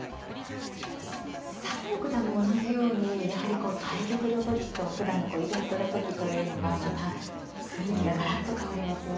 佐藤九段も同じようにやはりこう対局の時とふだんのイベントの時というのはまた雰囲気がガラッと変わりますよね。